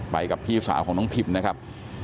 กับพี่สาวของน้องพิมนะครับ